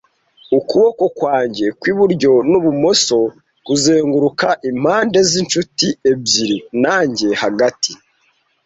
Ukuboko kwanjye kw'iburyo n'ibumoso kuzenguruka impande z'inshuti ebyiri, nanjye hagati;